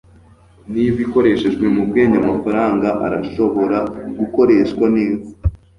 niba ikoreshejwe mubwenge, amafaranga arashobora gukoreshwa neza